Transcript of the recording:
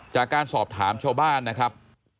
จากการสอบถามชาวบ้านนะครับ